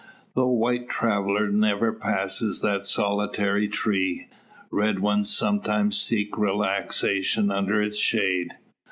Though white traveller never passes that solitary tree, red ones sometimes seek relaxation under its shade.